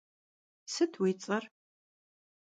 Sıt vui ts'er?